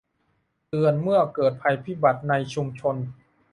เตือนเมื่อเกิดภัยพิบัติในชุมชน